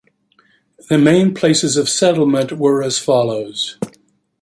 The main places of settlement were as follows.